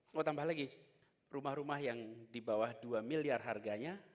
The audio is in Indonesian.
mau tambah lagi rumah rumah yang di bawah dua miliar harganya